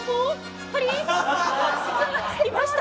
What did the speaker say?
いました！